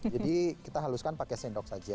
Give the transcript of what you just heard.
jadi kita haluskan pakai sendok saja